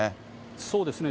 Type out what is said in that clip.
そうですね。